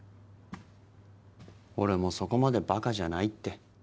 俺もそこまでバカじゃないって。